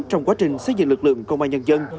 trong quá trình xây dựng lực lượng công an nhân dân